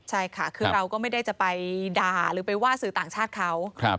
ใช่ค่ะคือเราก็ไม่ได้จะไปด่าหรือไปว่าสื่อต่างชาติเขา